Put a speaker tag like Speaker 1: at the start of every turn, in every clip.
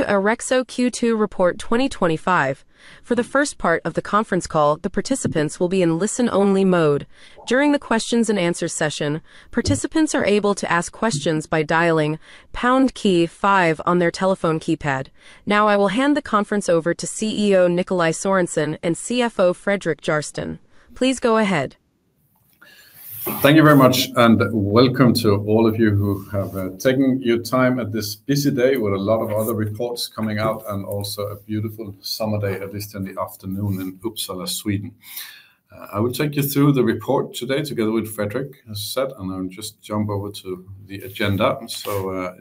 Speaker 1: To Orexo Q2 Report 2025. For the first part of the conference call, the participants will be in listen-only mode. During the questions and answers session, participants are able to ask questions by dialing pound key five on their telephone keypad. Now, I will hand the conference over to CEO Nikolaj Sørensen and CFO Fredrik Järrsten. Please go ahead.
Speaker 2: Thank you very much, and welcome to all of you who have taken your time at this busy day with a lot of other reports coming out and also a beautiful summer day, at least in the afternoon in Uppsala, Sweden. I will take you through the report today together with Fredrik, as I said, and I'll just jump over to the agenda.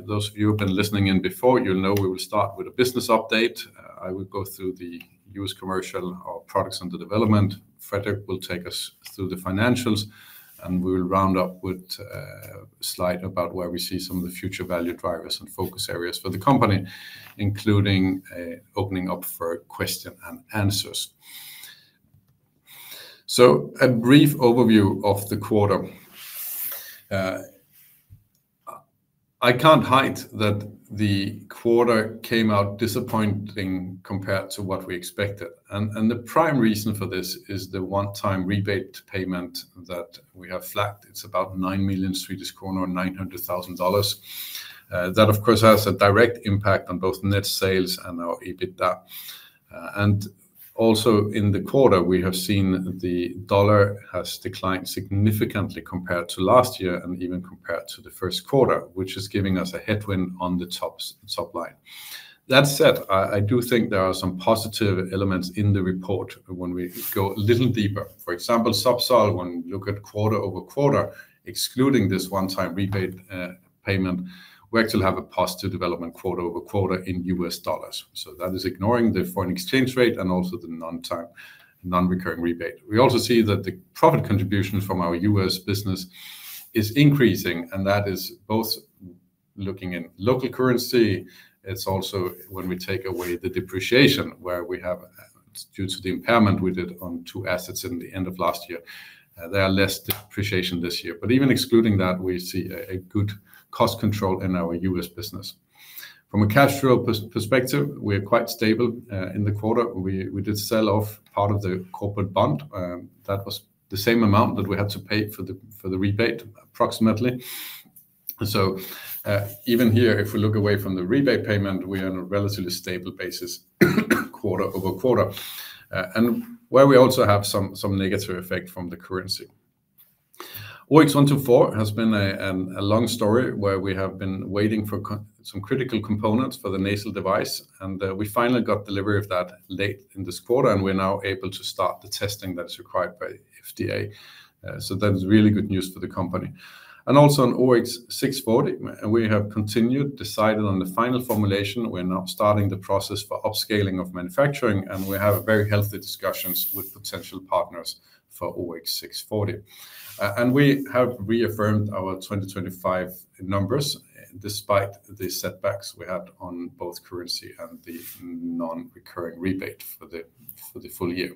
Speaker 2: Those of you who have been listening in before, you know we will start with a business update. I will go through the U.S. commercial, our products, and the development. Fredrik will take us through the financials, and we will round up with a slide about where we see some of the future value drivers and focus areas for the company, including opening up for questions and answers. A brief overview of the quarter. I can't hide that the quarter came out disappointing compared to what we expected. The prime reason for this is the one-time rebate payment that we have flagged. It's about 9 million Swedish kronor, $900,000. That, of course, has a direct impact on both net sales and our EBITDA. Also, in the quarter, we have seen the dollar has declined significantly compared to last year and even compared to the first quarter, which is giving us a headwind on the top line. That said, I do think there are some positive elements in the report when we go a little deeper. For example, Zubsolv, when you look at quarter over quarter, excluding this one-time rebate payment, we actually have a positive development quarter over quarter in U.S. dollars. That is ignoring the foreign exchange rate and also the non-recurring rebate. We also see that the profit contributions from our U.S. business are increasing, and that is both looking at local currency. It's also when we take away the depreciation where we have, due to the impairment we did on two assets in the end of last year, there's less depreciation this year. Even excluding that, we see a good cost control in our U.S. business. From a cash flow perspective, we are quite stable in the quarter. We did sell off out of the corporate bond. That was the same amount that we had to pay for the rebate, approximately. Even here, if we look away from the rebate payment, we are on a relatively stable basis, quarter over quarter, and we also have some negative effect from the currency. OX124 has been a long story where we have been waiting for some critical components for the nasal device, and we finally got delivery of that late in this quarter, and we're now able to start the testing that's required by the FDA. That's really good news for the company. Also, on OX640, we have continued, decided on the final formulation. We're now starting the process for upscaling of manufacturing, and we have very healthy discussions with potential partners for OX640. We have reaffirmed our 2025 numbers despite the setbacks we had on both currency and the non-recurring rebate for the full year.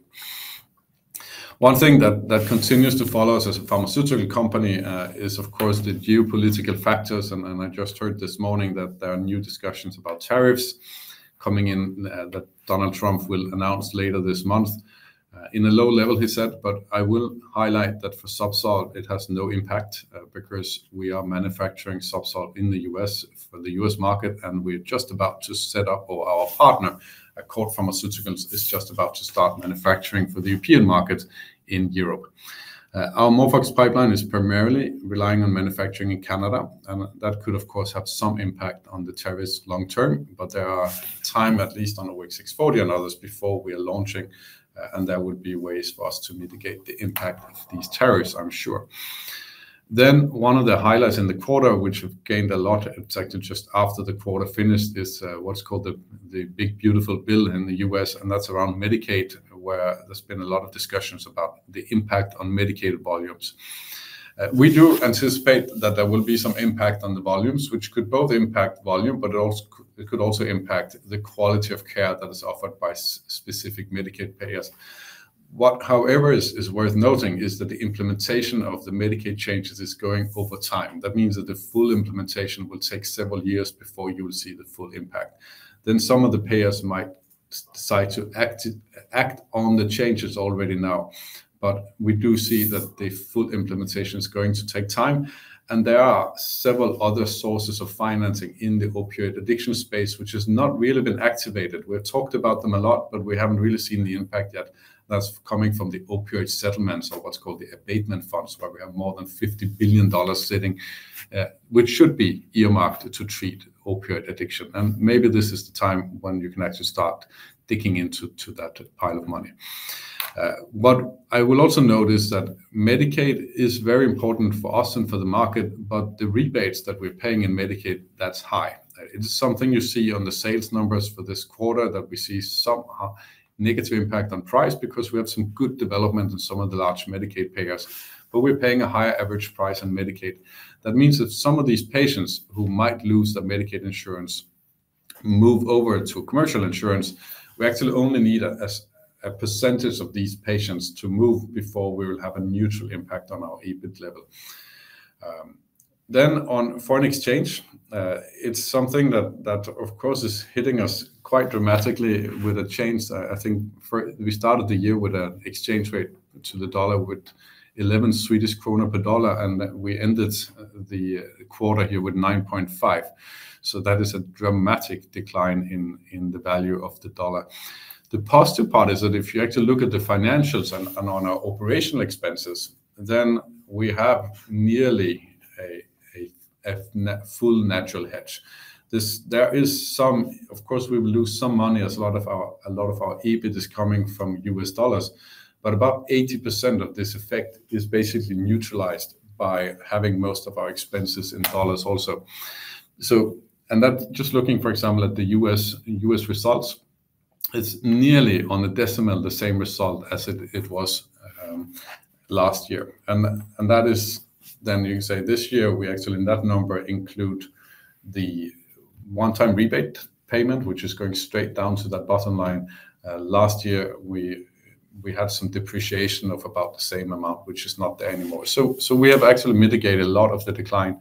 Speaker 2: One thing that continues to follow us as a pharmaceutical company is, of course, the geopolitical factors. I just heard this morning that there are new discussions about tariffs coming in that Donald Trump will announce later this month. At a low level, he said, but I will highlight that for Zubsolv it has no impact because we are manufacturing Zubsolv in the U.S. for the U.S market, and we're just about to set up, or our partner, CorePharma, is just about to start manufacturing for the European market in Europe. Our AmorphOX pipeline is primarily relying on manufacturing in Canada, and that could, of course, have some impact on the tariffs long term, but there is time, at least on OX640 and others, before we are launching, and there would be ways for us to mitigate the impact of these tariffs, I'm sure. One of the highlights in the quarter, which has gained a lot of impact just after the quarter finished, is what's called the big beautiful bill in the United States, and that's around Medicaid, where there's been a lot of discussions about the impact on Medicaid volumes. We do anticipate that there will be some impact on the volumes, which could both impact volume, but it could also impact the quality of care that is offered by specific Medicaid payers. What, however, is worth noting is that the implementation of the Medicaid changes is going over time. That means that the full implementation will take several years before you will see the full impact. Some of the payers might decide to act on the changes already now. We do see that the full implementation is going to take time. There are several other sources of financing in the opioid addiction space, which has not really been activated. We've talked about them a lot, but we haven't really seen the impact yet that's coming from the opioid settlements or what's called the abatement funds, where we have more than $50 billion sitting, which should be earmarked to treat opioid addiction. Maybe this is the time when you can actually start digging into that aisle of money. What I will also note is that Medicaid is very important for us and for the market, but the rebates that we're paying in Medicaid, that's high. It is something you see on the sales numbers for this quarter that we see some negative impact on price because we had some good development in some of the large Medicaid payers, but we're paying a higher average price on Medicaid. That means that some of these patients who might lose their Medicaid insurance move over to commercial insurance. We actually only need a percentage of these patients to move before we will have a neutral impact on our EBIT level. On foreign exchange, it's something that, of course, is hitting us quite dramatically with a change. I think we started the year with an exchange rate to the dollar with 11 Swedish kronor per dollar, and we ended the quarter here with 9.5. That is a dramatic decline in the value of the dollar. The positive part is that if you actually look at the financials and on our operational expenses, then we have nearly a full natural hedge. There is some, of course, we will lose some money as a lot of our EBIT is coming from U.S. dollars, but about 80% of this effect is basically neutralized by having most of our expenses in dollars also. For example, looking at the U.S. results, it's nearly on a decimal the same result as it was last year. You can say this year we actually, in that number, include the one-time rebate payment, which is going straight down to that bottom line. Last year, we had some depreciation of about the same amount, which is not there anymore. We have actually mitigated a lot of the decline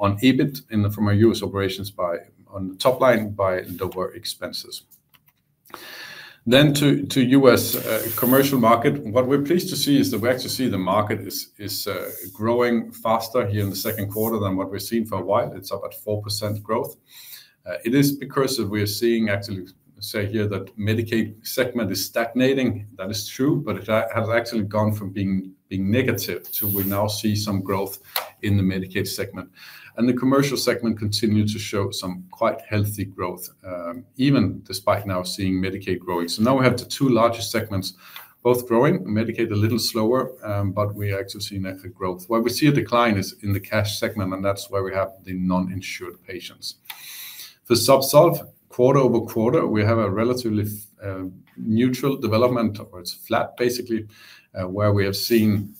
Speaker 2: on EBIT from our U.S. operations on the top line by lower expenses. To the U.S. commercial market, what we're pleased to see is that we actually see the market is growing faster here in the second quarter than what we've seen for a while. It's up at 4% growth. It is because we are seeing actually, say here, that the Medicaid segment is stagnating. That is true, but it has actually gone from being negative to we now see some growth in the Medicaid segment. The commercial segment continues to show some quite healthy growth, even despite now seeing Medicaid growing. Now we have the two largest segments both growing, Medicaid a little slower, but we are actually seeing a growth. Where we see a decline is in the cash segment, and that's where we have the non-insured patients. For Zubsolv quarter over quarter, we have a relatively neutral development, or it's flat basically, where we have seen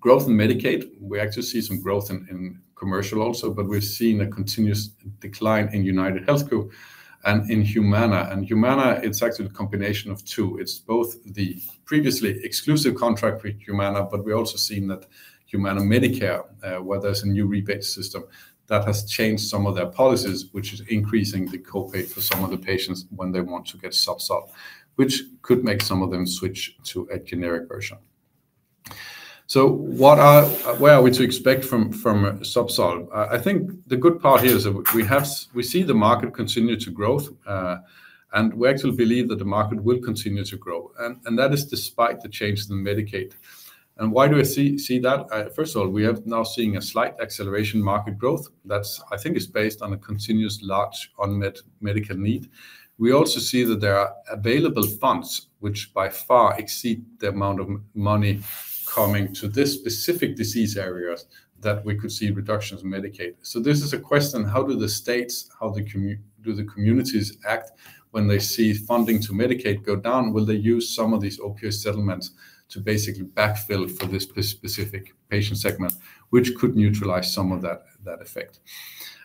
Speaker 2: growth in Medicaid. We actually see some growth in commercial also, but we've seen a continuous decline in UnitedHealth Group and in Humana. In Humana, it's actually a combination of two. It's both the previously exclusive contract with Humana, but we're also seeing that Humana Medicare, where there's a new rebate system that has changed some of their policies, which is increasing the copay for some of the patients when they want to get Zubsolv, which could make some of them switch to a generic version. What are we to expect from Zubsolv? I think the good part here is that we see the market continue to grow, and we actually believe that the market will continue to grow. That is despite the changes in Medicaid. Why do we see that? First of all, we are now seeing a slight acceleration in market growth. That, I think, is based on a continuous large unmet Medicaid need. We also see that there are available funds, which by far exceed the amount of money coming to this specific disease area that we could see reductions in Medicaid. This is a question, how do the states, how do the communities act when they see funding to Medicaid go down? Will they use some of these opioid settlements to basically backfill for this specific patient segment, which could neutralize some of that effect?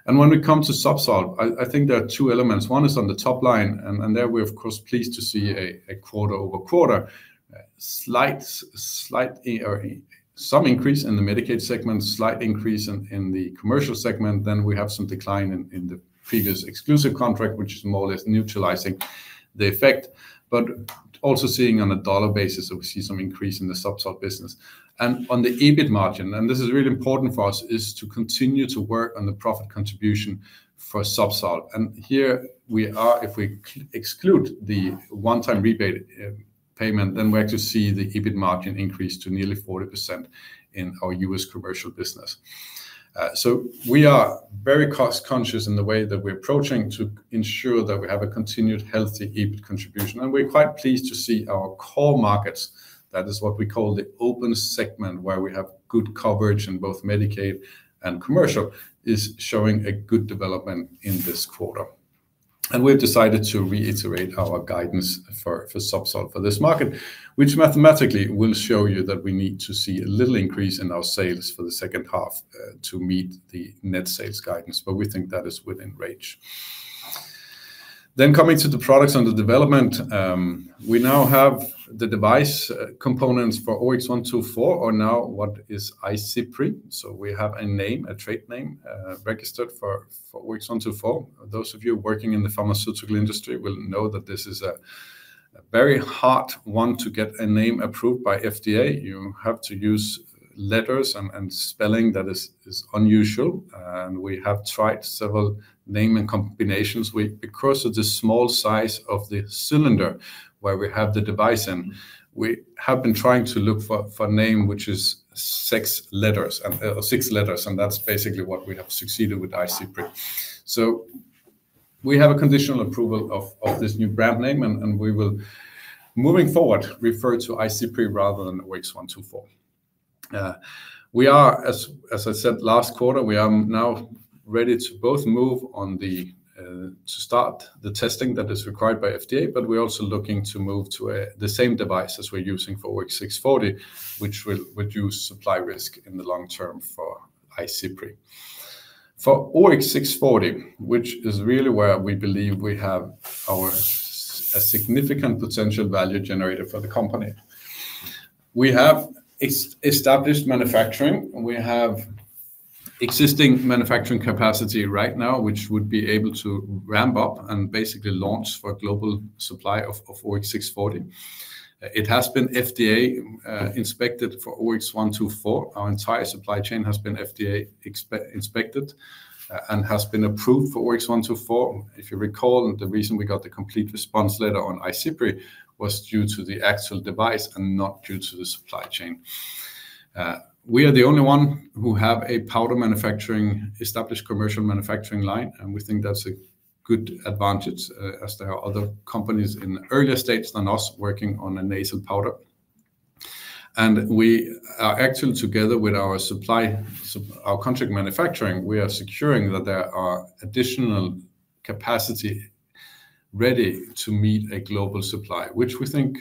Speaker 2: When it comes to Zubsolv, I think there are two elements. One is on the top line, and there we are, of course, pleased to see a quarter-over-quarter, slightly or some increase in the Medicaid segment, slight increase in the commercial segment. Then we have some decline in the previous exclusive contract, which is more or less neutralizing the effect. Also seeing on a dollar basis, we see some increase in the Zubsolv business. On the EBIT margin, and this is really important for us, is to continue to work on the profit contribution for Zubsolv. Here we are, if we exclude the one-time rebate payment, then we actually see the EBIT margin increase to nearly 40% in our U.S. commercial business. We are very cost-conscious in the way that we're approaching to ensure that we have a continued healthy EBIT contribution. We're quite pleased to see our core markets, that is what we call the open segment, where we have good coverage in both Medicaid and commercial, is showing a good development in this quarter. We've decided to reiterate our guidance for Zubsolv for this market, which mathematically will show you that we need to see a little increase in our sales for the second half to meet the net sales guidance, but we think that is within range. Coming to the products and the development, we now have the device components for OX124, or now what is IC3. We have a name, a trade name registered for OX124. Those of you working in the pharmaceutical industry will know that this is a very hard one to get a name approved by the FDA. You have to use letters and spelling that is unusual. We have tried several names and combinations. Because of the small size of the cylinder where we have the device in, we have been trying to look for a name which is six letters, and that's basically what we have succeeded with IC3. We have a conditional approval of this new brand name, and we will, moving forward, refer to IC3 rather than OX124. As I said last quarter, we are now ready to both move on to start the testing that is required by the FDA, but we're also looking to move to the same device as we're using for OX640, which will reduce supply risk in the long term for IC3. For OX640, which is really where we believe we have a significant potential value generator for the company, we have established manufacturing. We have existing manufacturing capacity right now, which would be able to ramp up and basically launch for a global supply of OX640. It has been FDA inspected for OX124. Our entire supply chain has been FDA inspected and has been approved for OX124. If you recall, the reason we got the complete response letter on IC3 was due to the actual device and not due to the supply chain. We are the only ones who have a powder manufacturing established commercial manufacturing line, and we think that's a good advantage as there are other companies in earlier stages than us working on a nasal powder. We are actually together with our contract manufacturing, securing that there is additional capacity ready to meet a global supply. We think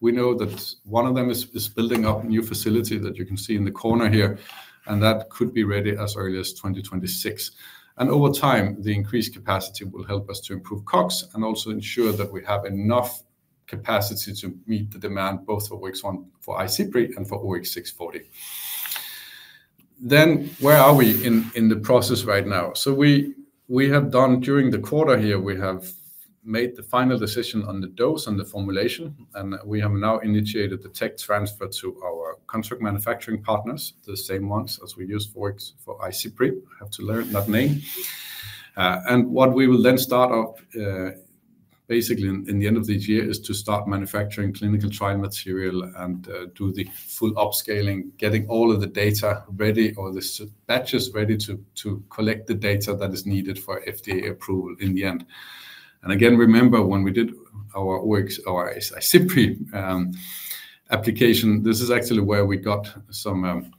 Speaker 2: we know that one of them is building up a new facility that you can see in the corner here, and that could be ready as early as 2026. Over time, the increased capacity will help us to improve COGS and also ensure that we have enough capacity to meet the demand both for IC3 and for OX640. Where are we in the process right now? During the quarter here, we have made the final decision on the dose and the formulation, and we have now initiated the tech transfer to our contract manufacturing partners, the same ones as we use for IC3. I have to learn that name. What we will then start up basically in the end of this year is to start manufacturing clinical trial material and do the full upscaling, getting all of the data ready or the batches ready to collect the data that is needed for FDA approval in the end. Remember when we did our IC3 application, this is actually where we got some,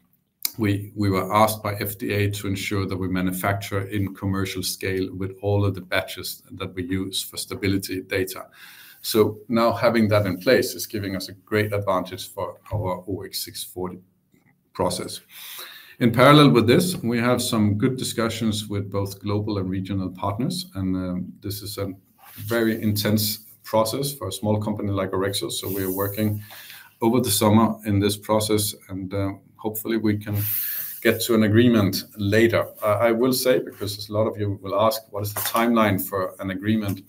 Speaker 2: we were asked by FDA to ensure that we manufacture in commercial scale with all of the batches that we use for stability data. Now having that in place is giving us a great advantage for our OX640 process. In parallel with this, we have some good discussions with both global and regional partners, and this is a very intense process for a small company like Orexo. We're working over the summer in this process, and hopefully we can get to an agreement later. I will say, because a lot of you will ask, what is the timeline for an agreement?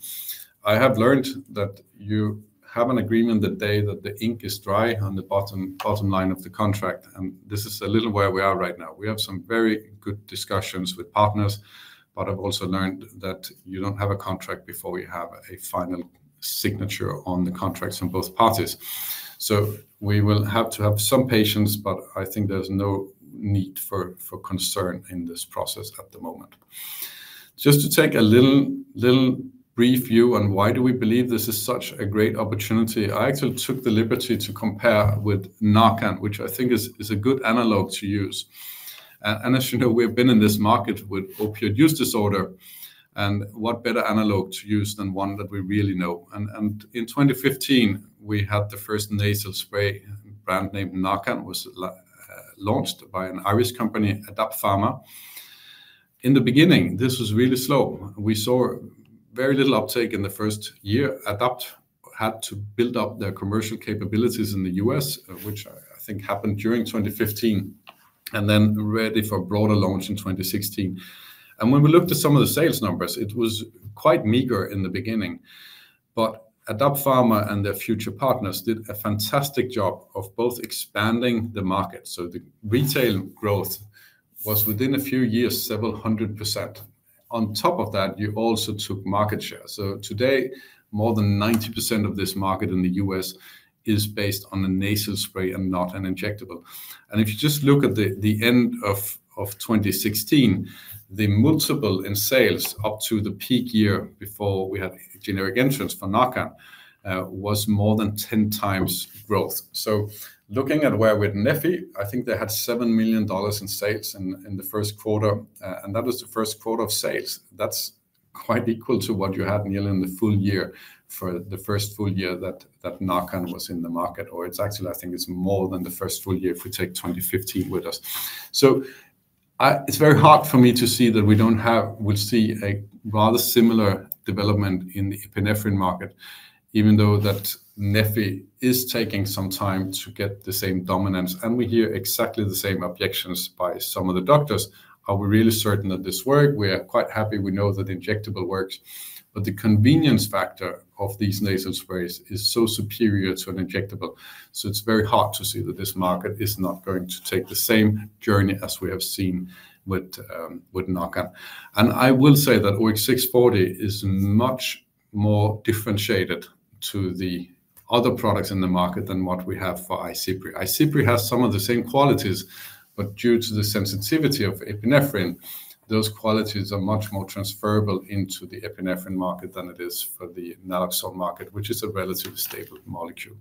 Speaker 2: I have learned that you have an agreement the day that the ink is dry on the bottom line of the contract, and this is a little where we are right now. We have some very good discussions with partners, but I've also learned that you don't have a contract before you have a final signature on the contracts from both parties. We will have to have some patience, but I think there's no need for concern in this process at the moment. Just to take a little brief view on why do we believe this is such a great opportunity, I actually took the liberty to compare with Narcan, which I think is a good analog to use. As you know, we have been in this market with opioid use disorder, and what better analog to use than one that we really know? In 2015, we had the first nasal spray, I think the brand name Narcan was launched by an Irish company, Adapt Pharma. In the beginning, this was really slow. We saw very little uptake in the first year. Adapt had to build up their commercial capabilities in the U.S., which I think happened during 2015, and then ready for a broader launch in 2016. When we looked at some of the sales numbers, it was quite meager in the beginning. Adapt Pharma and their future partners did a fantastic job of both expanding the market. The retail growth was within a few years, several hundred %. On top of that, you also took market share. Today, more than 90% of this market in the U.S. is based on the nasal spray and not an injectable. If you just look at the end of 2016, the multiple in sales up to the peak year before we had generic entrants for Narcan was more than 10x growth. Looking at where we're at Neffy, I think they had $7 million in sales in the first quarter, and that was the first quarter of sales. That's quite equal to what you had nearly in the full year for the first full year that Narcan was in the market, or it's actually, I think it's more than the first full year if we take 2015 with us. It's very hard for me to see that we don't have, we'll see a rather similar development in the epinephrine market, even though Neffy is taking some time to get the same dominance. We hear exactly the same objections by some of the doctors. Are we really certain that this works? We are quite happy. We know that the injectable works, but the convenience factor of these nasal sprays is so superior to an injectable. It's very hard to see that this market is not going to take the same journey as we have seen with Narcan. I will say that OX640 is much more differentiated to the other products in the market than what we have for IC3. IC3 has some of the same qualities, but due to the sensitivity of epinephrine, those qualities are much more transferable into the epinephrine market than it is for the naloxone market, which is a relatively stable molecule.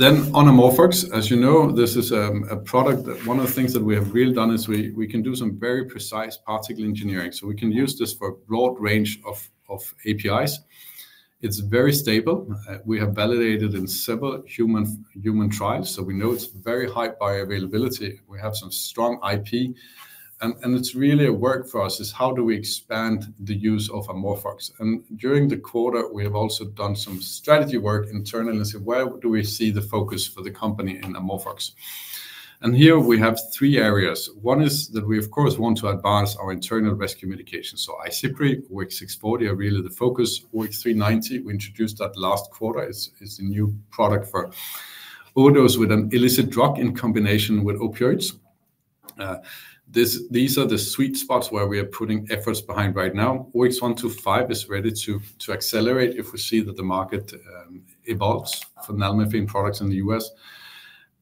Speaker 2: On AmorphOX, as you know, this is a product that one of the things that we have really done is we can do some very precise particle engineering. We can use this for a broad range of APIs. It's very stable. We have validated in several human trials, so we know it's very high bioavailability. We have some strong IP, and it's really a work for us is how do we expand the use of AmorphOX. During the quarter, we have also done some strategy work internally and said, where do we see the focus for the company in AmorphOX? Here we have three areas. One is that we, of course, want to advance our internal rescue medication. So IC3, OX640 are really the focus. OX390, we introduced that last quarter. It's a new product for odors with an illicit drug in combination with opioids. These are the sweet spots where we are putting efforts behind right now. OX125 is ready to accelerate if we see that the market evolves for nalmethane products in the U.S.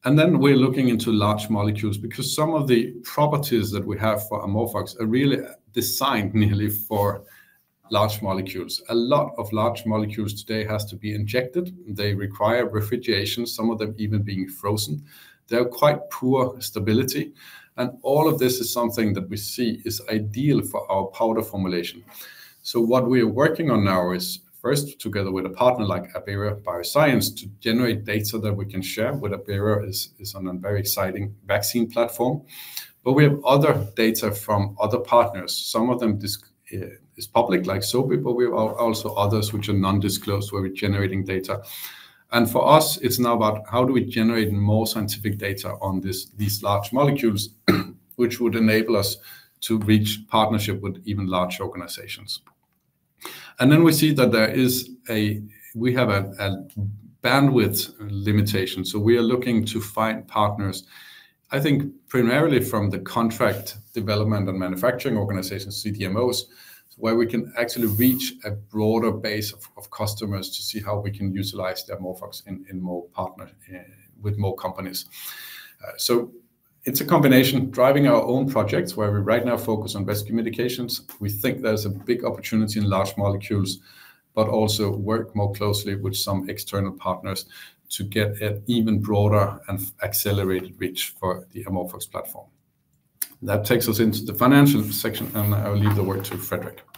Speaker 2: We are looking into large molecules because some of the properties that we have for AmorphOX are really designed nearly for large molecules. A lot of large molecules today have to be injected. They require refrigeration, some of them even being frozen. They have quite poor stability. All of this is something that we see is ideal for our powder formulation. What we are working on now is first, together with a partner like Abera Bioscience, to generate data that we can share with Abera. It's on a very exciting vaccine platform. We have other data from other partners. Some of them are public, like Sobi, but we have also others which are non-disclosed where we're generating data. For us, it's now about how do we generate more scientific data on these large molecules, which would enable us to reach partnership with even large organizations? We see that there is a, we have a bandwidth limitation. We are looking to find partners, I think primarily from the contract development and manufacturing organizations, CDMOs, where we can actually reach a broader base of customers to see how we can utilize their AmorphOX with more companies. It's a combination of driving our own projects where we right now focus on rescue medications. We think there's a big opportunity in large molecules, but also work more closely with some external partners to get an even broader and accelerated reach for the AmorphOX platform. That takes us into the financial section, and I'll leave the word to Fredrik.
Speaker 3: Thanks, Nikolaj.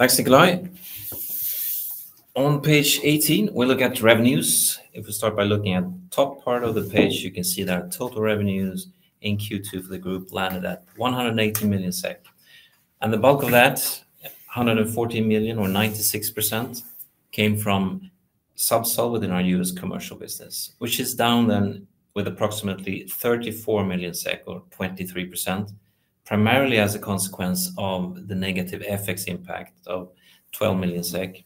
Speaker 3: On page 18, we look at revenues. If we start by looking at the top part of the page, you can see that total revenues in Q2 for the group landed at 180 million SEK. The bulk of that, 114 million or 96%, came from Zubsolv within our U.S. commercial business, which is down then with approximately 34 million SEK or 23%, primarily as a consequence of the negative FX impact of 12 million SEK.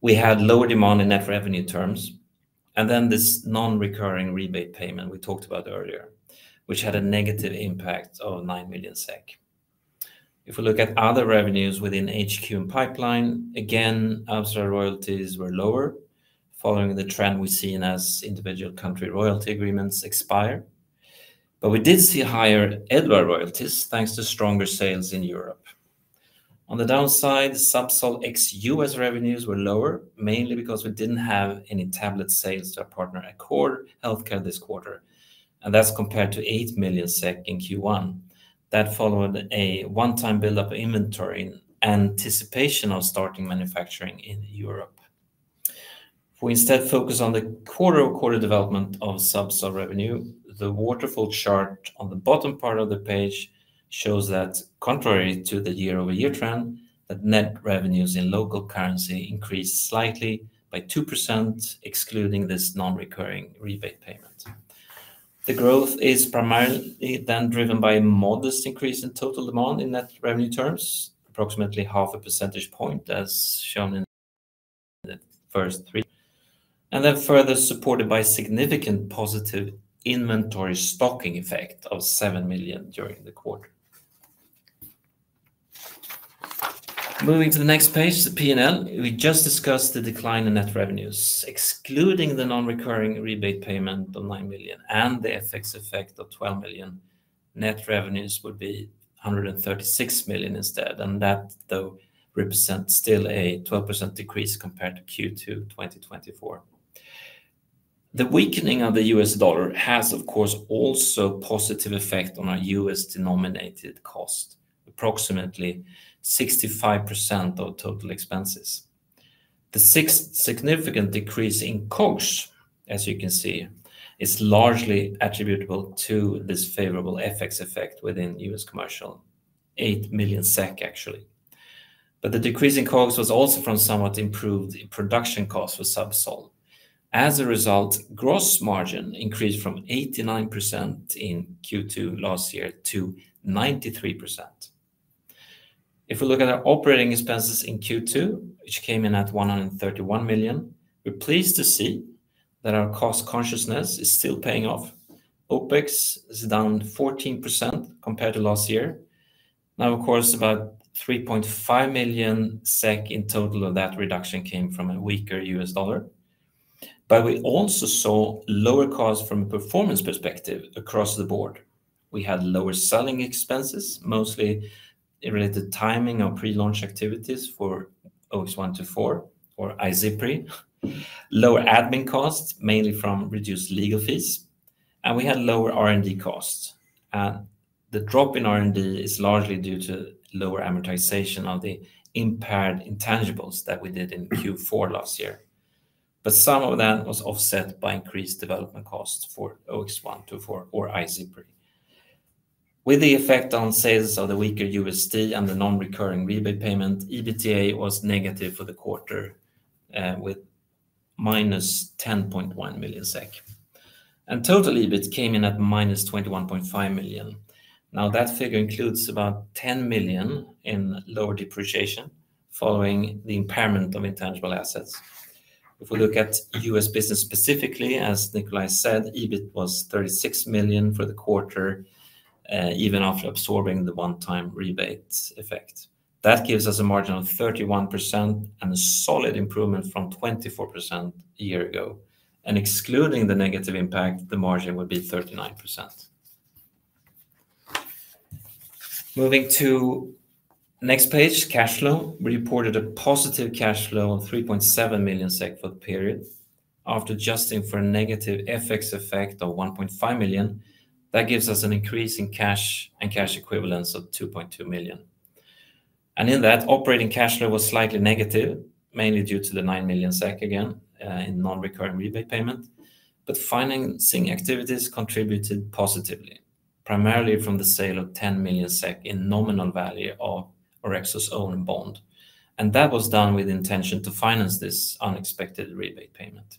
Speaker 3: We had lower demand in net revenue terms, and then this non-recurring rebate payment we talked about earlier, which had a negative impact of 9 million SEK. If we look at other revenues within HQ and pipeline, again, ABSA royalties were lower following the trend we've seen as individual country royalty agreements expire. We did see higher EDVAR royalties thanks to stronger sales in Europe. On the downside, Zubsolv ex-U.S. revenues were lower, mainly because we didn't have any tablet sales to our partner Accord Healthcare this quarter. That's compared to 8 million SEK in Q1. That followed a one-time build-up of inventory in anticipation of starting manufacturing in Europe. We instead focus on the quarter-over-quarter development of Zubsolv revenue. The waterfall chart on the bottom part of the page shows that, contrary to the year-over-year trend, net revenues in local currency increased slightly by 2%, excluding this non-recurring rebate payment. The growth is primarily then driven by a modest increase in total demand in net revenue terms, approximately half a percentage point, as shown in the first three. Further supported by a significant positive inventory stocking effect of 7 million during the quarter. Moving to the next page, the P&L, we just discussed the decline in net revenues, excluding the non-recurring rebate payment of 9 million, and the FX effect of 12 million, net revenues would be 136 million instead. That, though, represents still a 12% decrease compared to Q2 2024. The weakening of the U.S. dollar has, of course, also a positive effect on our U.S. denominated cost, approximately 65% of total expenses. The significant decrease in COGS, as you can see, is largely attributable to this favorable FX effect within U.S. commercial, 8 million SEK, actually. The decrease in COGS was also from somewhat improved production costs for Zubsolv. As a result, gross margin increased from 89% in Q2 last year to 93%. If we look at our operating expenses in Q2, which came in at 131 million, we're pleased to see that our cost consciousness is still paying off. OpEx is down 14% compared to last year. Now, of course, about 3.5 million SEK in total of that reduction came from a weaker U.S. dollar. We also saw lower costs from a performance perspective across the board. We had lower selling expenses, mostly related to timing of pre-launch activities for OX124 or IC3, lower admin costs mainly from reduced legal fees, and we had lower R&D costs. The drop in R&D is largely due to lower amortization of the impaired intangibles that we did in Q4 last year. Some of that was offset by increased development costs for OX124 or IC3. With the effect on sales of the weaker USD and the non-recurring rebate payment, EBITDA was negative for the quarter, with SEK - 10.1 million. Total EBIT came in at minus 21.5 million. That figure includes about 10 million in lower depreciation following the impairment of intangible assets. If we look at U.S. business specifically, as Nikolaj said, EBIT was 36 million for the quarter, even after absorbing the one-time rebate effect. That gives us a margin of 31% and a solid improvement from 24% a year ago. Excluding the negative impact, the margin would be 39%. Moving to the next page, cash flow. We reported a positive cash flow of 3.7 million SEK for the period after adjusting for a negative FX effect of 1.5 million. That gives us an increase in cash and cash equivalents of 2.2 million. In that, operating cash flow was slightly negative, mainly due to the 9 million SEK again in non-recurring rebate payment. Financing activities contributed positively, primarily from the sale of 10 million SEK in nominal value of Orexo's own bond. That was done with the intention to finance this unexpected rebate payment.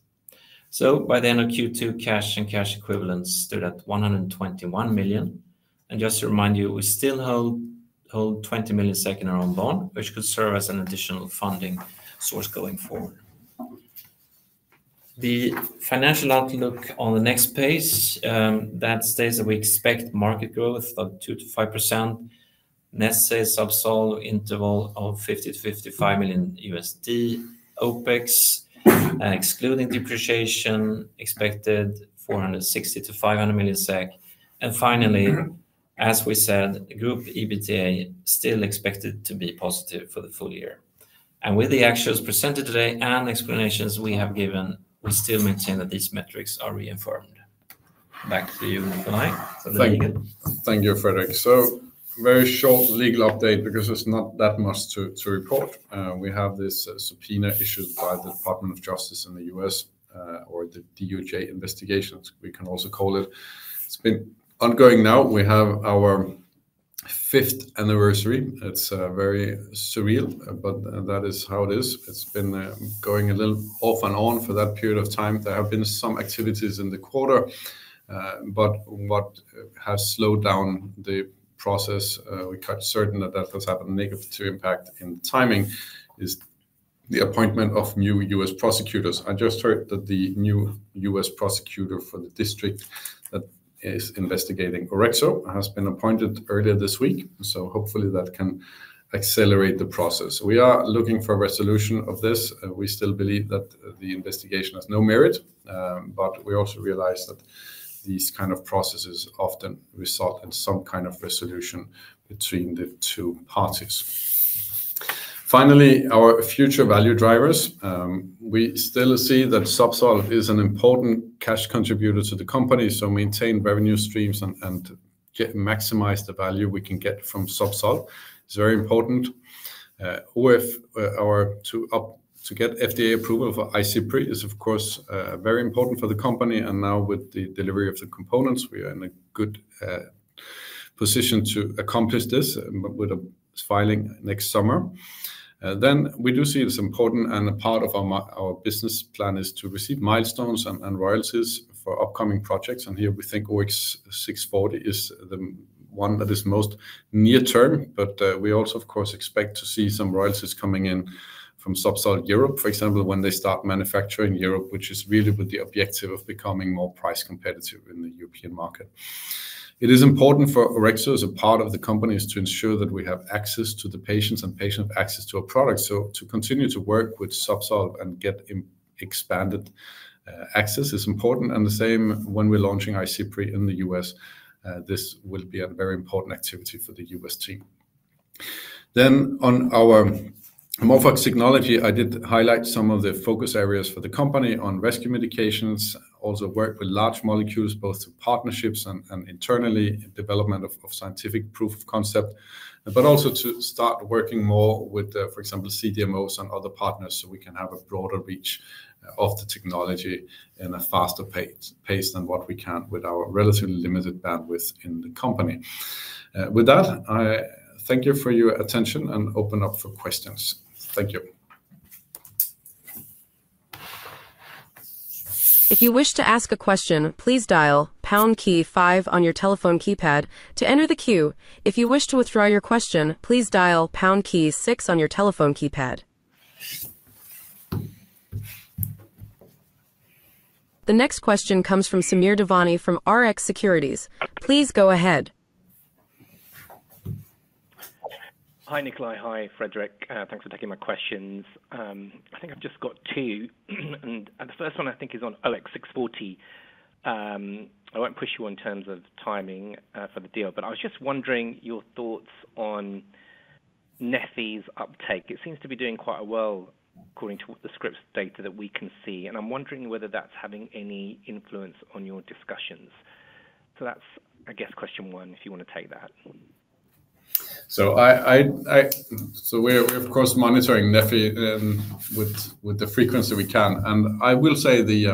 Speaker 3: By the end of Q2, cash and cash equivalents stood at 121 million. Just to remind you, we still hold 20 million in our own bond, which could serve as an additional funding source going forward. The financial outlook on the next page states that we expect market growth of 2%-5%, net sales Zubsolv interval of $50 to $55 million, OpEx excluding depreciation expected 460 million-500 million SEK. Finally, as we said, group EBITDA still expected to be positive for the full year. With the actuals presented today and explanations we have given, we still maintain that these metrics are reaffirmed. Back to you, Nikolaj, for the meeting.
Speaker 2: Thank you, Fredrik. Very short legal update because there's not that much to report. We have this subpoena issued by the Department of Justice in the U.S., or the DOJ investigation, we can also call it. It's been ongoing now. We have our fifth anniversary. It's very surreal, but that is how it is. It's been going a little off and on for that period of time. There have been some activities in the quarter, but what has slowed down the process, we're quite certain that that has had a negative impact in timing, is the appointment of new U.S. prosecutors. I just heard that the new U.S. prosecutor for the district that is investigating Orexo has been appointed earlier this week. Hopefully that can accelerate the process. We are looking for a resolution of this. We still believe that the investigation has no merit, but we also realize that these kinds of processes often result in some kind of resolution between the two parties. Finally, our future value drivers. We still see that Zubsolv is an important cash contributor to the company, so to maintain revenue streams and maximize the value we can get from Zubsolv is very important. For us to get FDA approval for IC3 is, of course, very important for the company. Now with the delivery of the components, we are in a good position to accomplish this with a filing next summer. We do see it's important, and a part of our business plan is to receive milestones and royalties for upcoming projects. Here we think OX640 is the one that is most near term, but we also, of course, expect to see some royalties coming in from Zubsolv Europe, for example, when they start manufacturing in Europe, which is really with the objective of becoming more price competitive in the European market. It is important for Orexo as a part of the company to ensure that we have access to the patients and patients have access to our products. To continue to work with Zubsolv and get expanded access is important. The same when we're launching IC3 in the U.S. This will be a very important activity for the U.S. team. On our AmorphOX technology, I did highlight some of the focus areas for the company on rescue medications, also work with large molecules, both partnerships and internally development of scientific proof of concept, but also to start working more with, for example, CDMOs and other partners so we can have a broader reach of the technology in a faster pace than what we can with our relatively limited bandwidth in the company. With that, I thank you for your attention and open up for questions. Thank you.
Speaker 1: If you wish to ask a question, please dial on your telephone keypad to enter the queue. If you wish to withdraw your question, please dial pound key six on your telephone keypad. The next question comes from Samir Devani from RX Securities. Please go ahead.
Speaker 4: Hi, Nikolaj. Hi, Fredrik. Thanks for taking my questions. I think I've just got two, and the first one I think is on OX640. I won't push you on terms of timing for the deal, but I was just wondering your thoughts on Neffy's uptake. It seems to be doing quite well according to the scripts data that we can see, and I'm wondering whether that's having any influence on your discussions. That's, I guess, question one, if you want to take that.
Speaker 2: We're, of course, monitoring Neffy with the frequency we can. I will say the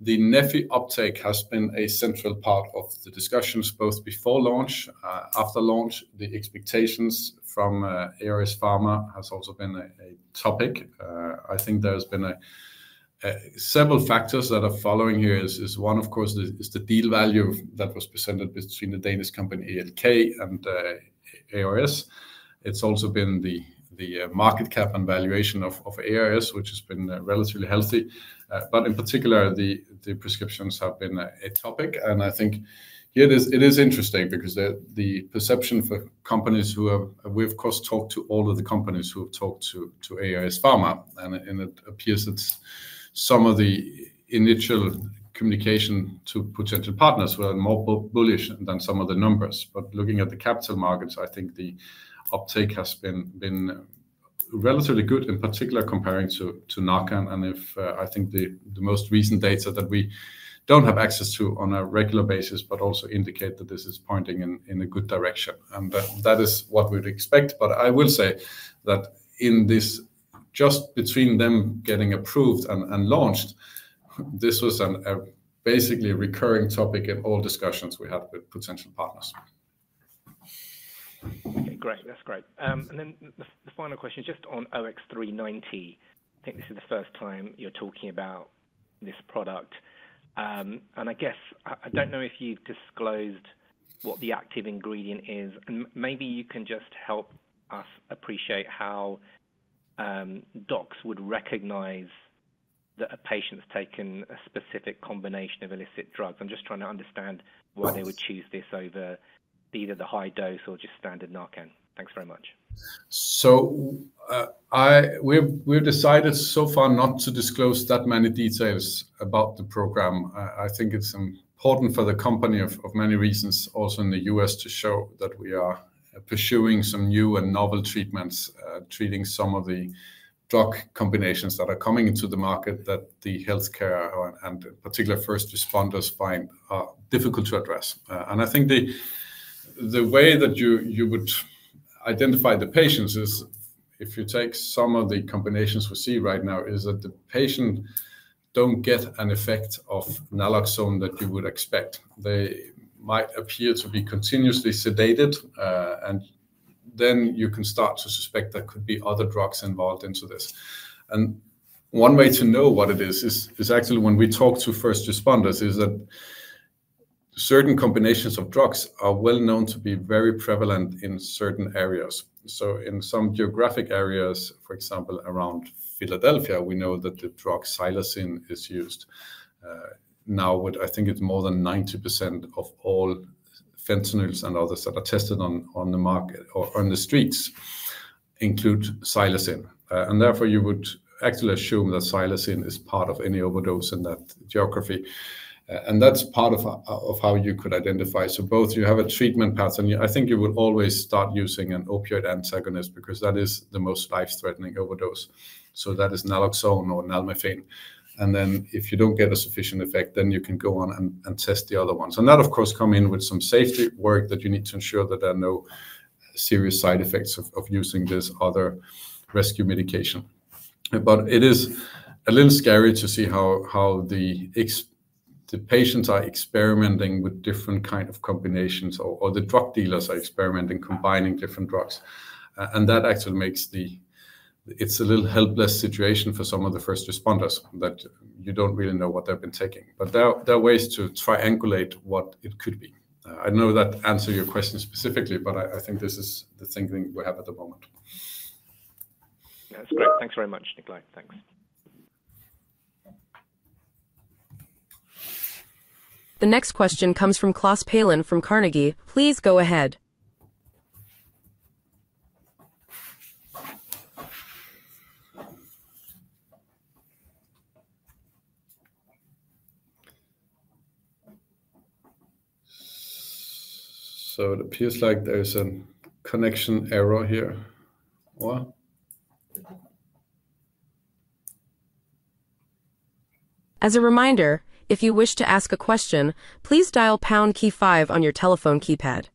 Speaker 2: Neffy uptake has been a central part of the discussions both before launch and after launch. The expectations from ARS Pharma have also been a topic. I think there have been several factors that are following here. One, of course, is the deal value that was presented between the Danish company ENK and ARS. It's also been the market cap and valuation of ARS, which has been relatively healthy. In particular, the prescriptions have been a topic. I think here it is interesting because the perception for companies who have, we've, of course, talked to all of the companies who have talked to ARS Pharma, and it appears that some of the initial communication to potential partners were more bullish than some of the numbers. Looking at the capital markets, I think the uptake has been relatively good, in particular comparing to Narcan. I think the most recent data that we don't have access to on a regular basis also indicate that this is pointing in a good direction. That is what we would expect. I will say that in this, just between them getting approved and launched, this was basically a recurring topic in all discussions we had with potential partners.
Speaker 4: Okay, great. That's great. The final question is just on OX390. I think this is the first time you're talking about this product. I guess I don't know if you've disclosed what the active ingredient is, and maybe you can just help us appreciate how docs would recognize that a patient's taken a specific combination of illicit drugs. I'm just trying to understand why they would choose this over either the high dose or just standard Narcan. Thanks very much.
Speaker 2: We have decided so far not to disclose that many details about the program. I think it's important for the company for many reasons, also in the U.S., to show that we are pursuing some new and novel treatments, treating some of the drug combinations that are coming into the market that the healthcare and in particular first responders find difficult to address. I think the way that you would identify the patients is if you take some of the combinations we see right now, the patients do not get an effect of naloxone that you would expect. They might appear to be continuously sedated, and then you can start to suspect there could be other drugs involved in this. One way to know what it is is actually when we talk to first responders, certain combinations of drugs are well known to be very prevalent in certain areas. In some geographic areas, for example, around Philadelphia, we know that the drug psilocin is used. I think it's more than 90% of all fentanyls and others that are tested on the market or on the streets include psilocin. Therefore, you would actually assume that psilocin is part of any overdose in that geography. That's part of how you could identify. Both you have a treatment path, and I think you would always start using an opioid antagonist because that is the most life-threatening overdose. That is naloxone or nalmethane. If you do not get a sufficient effect, then you can go on and test the other ones. That, of course, comes in with some safety work that you need to ensure that there are no serious side effects of using this other rescue medication. It is a little scary to see how the patients are experimenting with different kinds of combinations, or the drug dealers are experimenting combining different drugs. That actually makes it a little helpless situation for some of the first responders that you do not really know what they've been taking. There are ways to triangulate what it could be. I know that answers your question specifically, but I think this is the thinking we have at the moment.
Speaker 4: That's great. Thanks very much, Nikolaj. Thanks.
Speaker 1: The next question comes from Klaas Peelen from Carnegie. Please go ahead.
Speaker 2: It appears like there's a connection error here.
Speaker 1: As a reminder, if you wish to ask a question, please dial pound key five on your telephone keypad.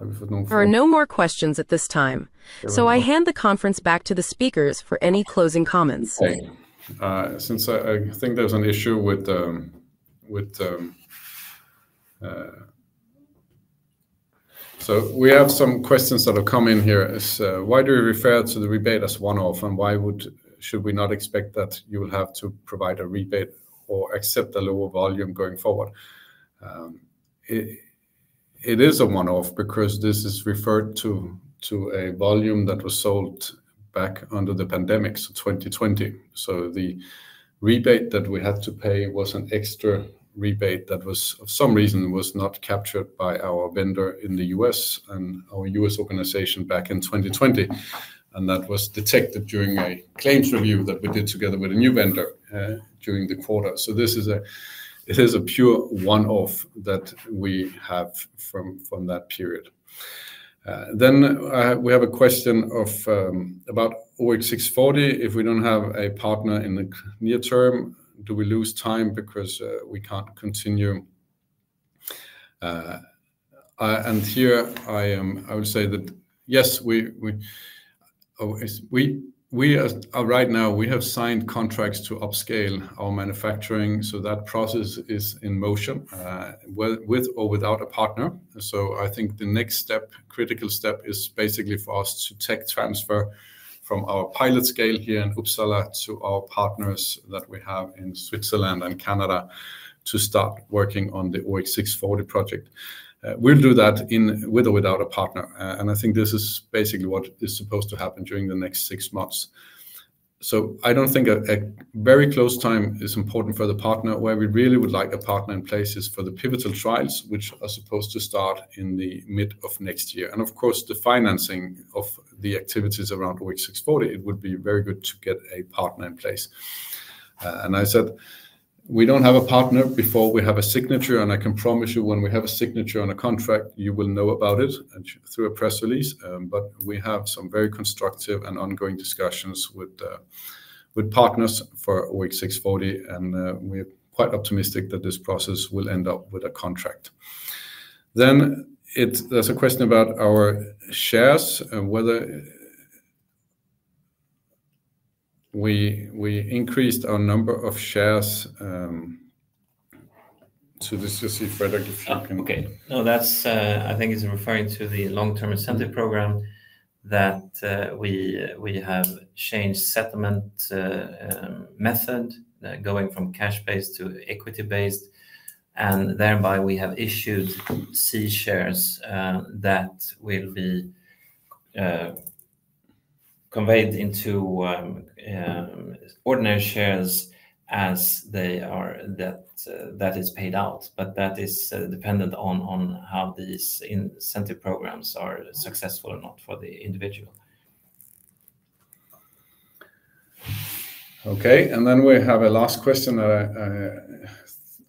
Speaker 1: There are no more questions at this time. I hand the conference back to the speakers for any closing comments.
Speaker 2: Thanks. We have some questions that have come in here as, why do we refer to the rebate as one-off, and why should we not expect that you will have to provide a rebate or accept a lower volume going forward? It is a one-off because this is referred to a volume that was sold back under the pandemic, so 2020. The rebate that we had to pay was an extra rebate that, for some reason, was not captured by our vendor in the U.S. and our U.S. organization back in 2020. That was detected during a claims review that we did together with a new vendor during the quarter. This is a pure one-off that we have from that period. We have a question about OX640. If we don't have a partner in the near term, do we lose time because we can't continue? I will say that, yes, we are right now, we have signed contracts to upscale our manufacturing. That process is in motion, with or without a partner. I think the next critical step is basically for us to tech transfer from our pilot scale here in Uppsala to our partners that we have in Switzerland and Canada to start working on the OX640 project. We'll do that with or without a partner. I think this is basically what is supposed to happen during the next six months. I don't think a very close time is important for the partner. Where we really would like a partner in place is for the pivotal trials, which are supposed to start in the middle of next year. Of course, the financing of the activities around OX640, it would be very good to get a partner in place. I said we don't have a partner before we have a signature, and I can promise you when we have a signature on a contract, you will know about it through a press release. We have some very constructive and ongoing discussions with partners for OX640, and we're quite optimistic that this process will end up with a contract. There's a question about our shares and whether we increased our number of shares. This is just if Fredrik, if you can.
Speaker 3: Oh, good. No, that's I think he's referring to the long-term incentive program that we have changed settlement method going from cash-based to equity-based, and thereby we have issued C shares that will be conveyed into ordinary shares as that is paid out. That is dependent on how these incentive programs are successful or not for the individual.
Speaker 2: Okay. Then we have a last question that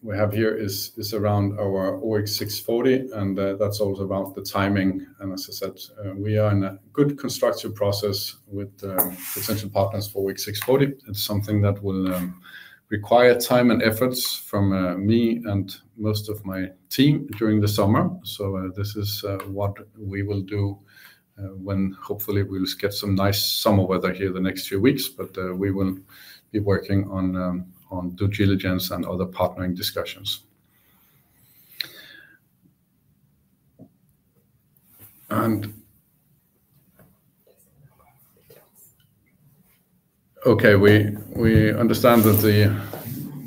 Speaker 2: we have here is around OX640, and that's also about the timing. As I said, we are in a good constructive process with potential partners for OX640. It's something that will require time and efforts from me and most of my team during the summer. This is what we will do when hopefully we'll get some nice summer weather here the next few weeks. We will be working on due diligence and other partnering discussions. We understand that the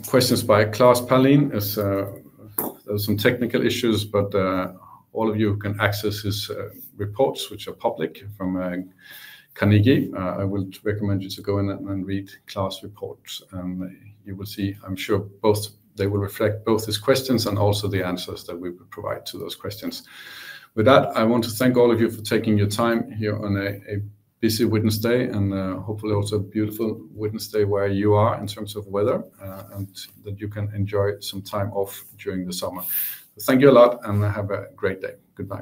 Speaker 2: questions by Klaas Peelen, there are some technical issues, but all of you can access his reports, which are public from Carnegie. I will recommend you to go in and read Klaas' reports, and you will see, I'm sure, both they will reflect both his questions and also the answers that we would provide to those questions. With that, I want to thank all of you for taking your time here on a busy Wednesday and hopefully also a beautiful Wednesday where you are in terms of weather. I hope that you can enjoy some time off during the summer. Thank you a lot, and have a great day. Goodbye.